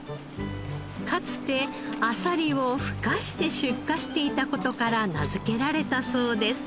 かつてあさりをふかして出荷していた事から名付けられたそうです。